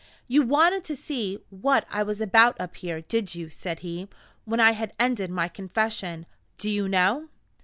"You wanted to see what I was about up here, did you?" said he, when I had ended my confession. "Do you know?"